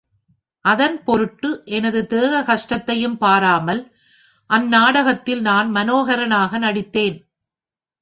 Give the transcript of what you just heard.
அதன் பொருட்டு எனது தேக கஷ்டத்தையும் பாராமல், அந்நாடகத்தில் நான் மனோஹரனாக நடித்தேன்.